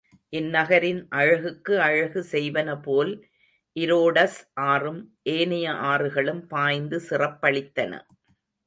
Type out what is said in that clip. இந்நகரின் ஆழகுக்கு அழகு செய்வனபோல் இரோடஸ் ஆறும் ஏனைய ஆறுகளும் பாய்ந்து சிறப்பளித்தன.